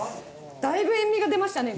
だいぶ塩味が出ましたね。